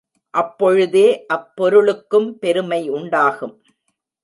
அப்பொழுதே அப் பொருளுக்கும் பெருமை உண்டாகும்.